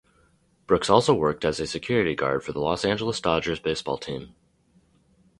Brooks also worked as a security guard for the Los Angeles Dodgers baseball team.